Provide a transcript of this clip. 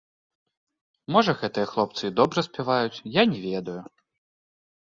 Можа гэтыя хлопцы і добра спяваюць, я не ведаю.